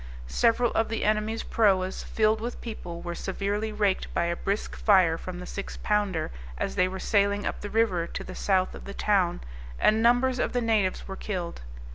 Several of the enemy's proas, filled with people, were severely raked by a brisk fire from the six pounder, as they were sailing up the river to the south of the town, and numbers of the natives were killed.